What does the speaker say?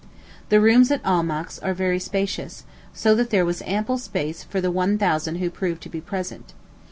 The rooms at Almack's are very spacious, so that there was ample space for the one thousand who proved to be present.